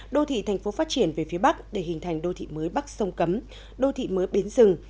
đô thị thành phố phát triển về phía bắc để hình thành đô thị mới bắc sông cấm đô thị mới bến rừng